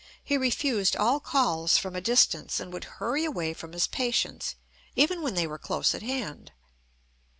He refused all calls from a distance, and would hurry away from his patients, even when they were close at hand.